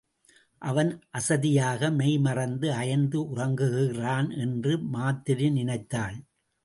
அவன் அசதியாக மெய் மறந்து அயர்ந்து உறங்குகிறான் என்று மாத்திரி நினைத்தாள்.